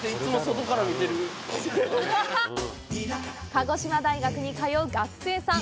鹿児島大学に通う学生さん。